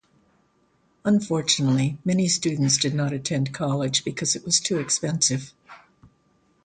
Unfortunately, many students did not attend college because it was too expensive.